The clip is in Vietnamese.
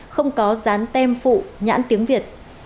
không có rán tem phụ nhãn tiếng việt